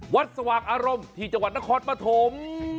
สว่างอารมณ์ที่จังหวัดนครปฐม